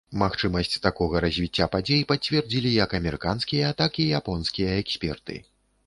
Магчымасць такога развіцця падзей пацвердзілі як амерыканскія, так і японскія эксперты.